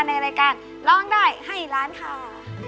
ในรายการร้องได้ให้ล้านค่ะ